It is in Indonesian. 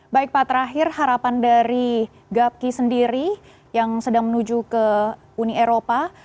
baik pak terakhir harapan dari gapki sendiri yang sedang menuju ke uni eropa